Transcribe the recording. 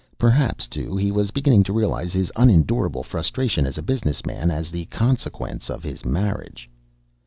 Perhaps, too, he was beginning to realise his unendurable frustration as a business man as the consequence of his marriage.